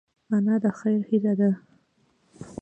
انا د خیر هیله لري